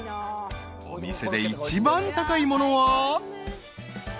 ［お店で一番高いものは］